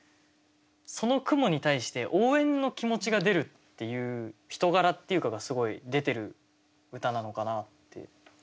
その蜘蛛に対して応援の気持ちが出るっていう人柄っていうかがすごい出てる歌なのかなって。